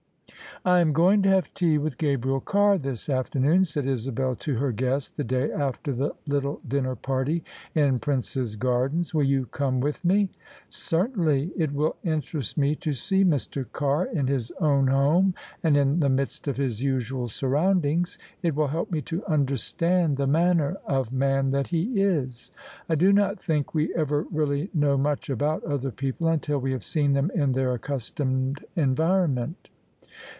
" I am going to have tea with Gabriel Carr this after noon," said Isabel to her guest the day after the little dinner party in Prince's Gardens: "will you come with me?" " Certainly. It will interest me to see Mr. Carr in his own home and in the midst of his usual surroundings: it will help me to imderstand the manner of man that he is. I do not think we ever really know much about other people until we have seen them in their accustomed environ ment."